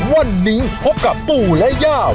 วันนี้พบกับปู่และย่าว